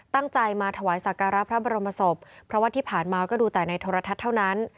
ตั้งใจมาถวายสักการะพระบรมศพเพราะว่าที่ผ่านมาก็ดูแต่ในโทรทัศน์เท่านั้น